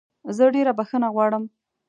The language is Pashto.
زه ډېره بخښنه غواړم